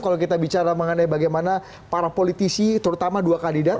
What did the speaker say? kalau kita bicara mengenai bagaimana para politisi terutama dua kandidat